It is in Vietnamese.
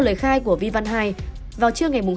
theo lời khai của vy văn ii vào trưa ngày hai tháng bảy